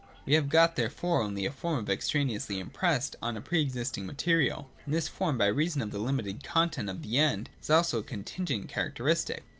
We have got therefore only a form extraneously impressed on a pre existing material : and this form, by reason of the limited content of the End,^ is also a contingent characteristic.